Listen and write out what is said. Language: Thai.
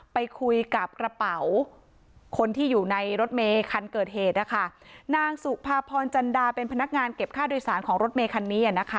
ไปคุยกับกระเป๋าคนที่อยู่ในรถเมคันเกิดเหตุนะคะนางสุภาพรจันดาเป็นพนักงานเก็บค่าโดยสารของรถเมคันนี้อ่ะนะคะ